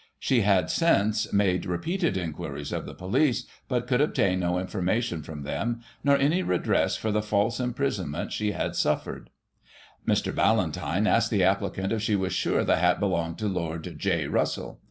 She had, since, made repeated inquiries of the police, but could obtain no information from them, nor ciny redress for the false imprisonment she had suffered. Mr. Ballantyne asked the applicant if she was sure the hat belonged to Lord J. Russell.